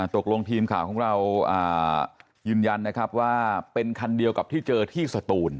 ตกลงทีมข่าวของเรายืนยันนะครับว่าเป็นคันเดียวกับที่เจอที่สตูน